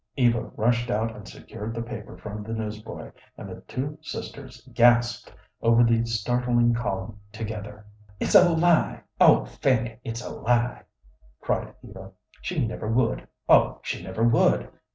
Eva rushed out and secured the paper from the newsboy, and the two sisters gasped over the startling column together. "It's a lie! oh, Fanny, it's a lie!" cried Eva. "She never would; oh, she never would!